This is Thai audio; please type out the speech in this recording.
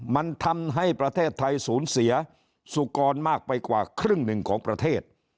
มันทำให้ประเทศไทยสูญเสียสุกรมากไปกว่าครึ่งหนึ่งของประเทศ